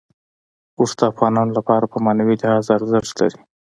اوښ د افغانانو لپاره په معنوي لحاظ ارزښت لري.